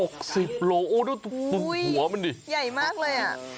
๖๐กิโลกรัมโอ้ยดูหัวมันดิใหญ่มากเลยอ่ะ